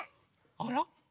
あら？